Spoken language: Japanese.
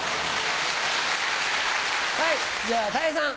はいじゃあたい平さん。